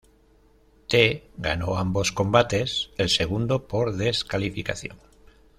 T ganó ambos combates, el segundo por descalificación.